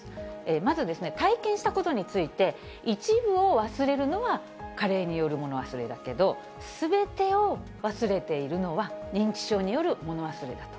まず、体験したことについて、一部を忘れるのは、加齢による物忘れだけど、すべてを忘れているのは認知症による物忘れだと。